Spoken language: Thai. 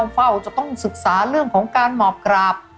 เฝ้าจะต้องศึกษาเรื่องของการหมอบกราบ